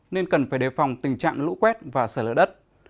nên cần phải đề phòng tình trạng lũ quét và xả lỡ đất